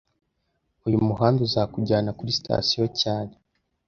Uyu muhanda uzakujyana kuri sitasiyo cyane